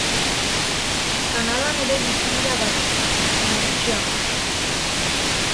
Kanadan ere bizi dira batzuk, baina gutxiago.